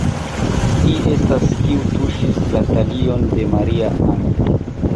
ci estas, kiu tuŝis la talion de Maria-Ann!